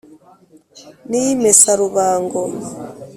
ni iy' imesarubango :